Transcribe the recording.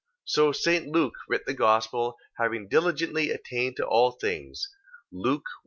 So St. Luke writ the gospel having diligently attained to all things. Luke 1.